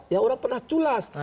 ya orang pernah culas